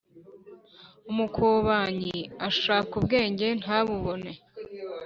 umukobanyi ashaka ubwenge ntabubone,